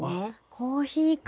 コーヒーか。